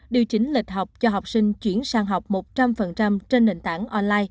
điều chỉnh lịch học cho học sinh chuyển sang học một trăm linh trên nền tảng online